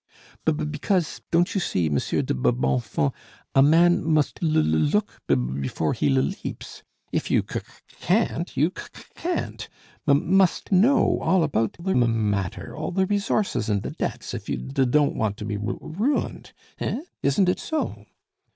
"B because, don't you see, Monsieur de B Bonfons, a man must l l look b b before he l leaps. If you c c can't, you c c can't. M m must know all about the m m matter, all the resources and the debts, if you d d don't want to be r r ruined. Hein? isn't it so?"